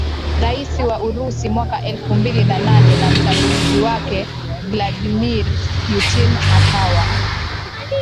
rais wa Urusi mwaka elfu mbili na nane na mtangulizi wake Vladimir Putin akawa